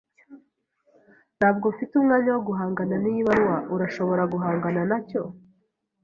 Ntabwo mfite umwanya wo guhangana niyi baruwa. Urashobora guhangana nacyo?